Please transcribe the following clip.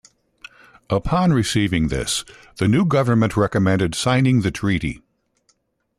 Upon receiving this, the new government recommended signing the treaty.